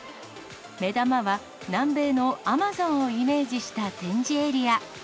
目玉は、南米のアマゾンをイメージした展示エリア。